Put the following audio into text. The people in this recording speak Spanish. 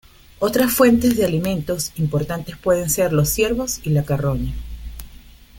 Otras fuentes de alimento importantes pueden ser los ciervos y la carroña.